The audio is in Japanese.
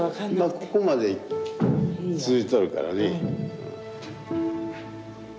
ここまで通じとるからね。